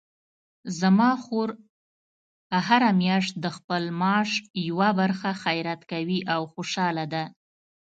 زما خور هره میاشت د خپل معاش یوه برخه خیرات کوي او خوشحاله ده